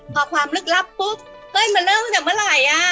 พอความฤทธิ์ลึกลับปุ๊บเฮ้ยมาเลิกจากเมื่อไหร่อ่ะ